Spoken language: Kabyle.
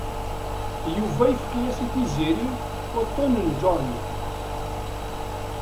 Yuba yefka-yas i Tiziri uṭun n John.